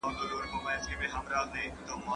جګړې يې يوازې د اړتيا پر وخت کولې.